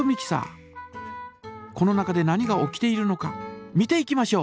この中で何が起きているのか見ていきましょう！